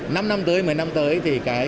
để ứng dụng khoa học kỹ thuật